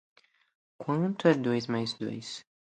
Quanto é dois mais dois?